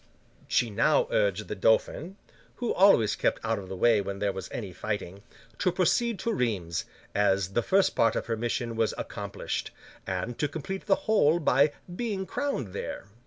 She now urged the Dauphin (who always kept out of the way when there was any fighting) to proceed to Rheims, as the first part of her mission was accomplished; and to complete the whole by being crowned there.